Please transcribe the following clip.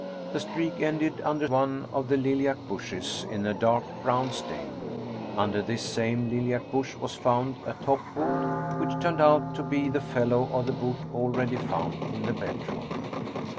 The streak ended under one of the lilac bushes in a dark brown stain. Under this same lilac bush was found a top boot, which turned out to be the fellow of the boot already found in the bedroom.